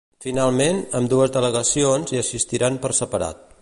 Finalment, ambdues delegacions hi assistiran per separat.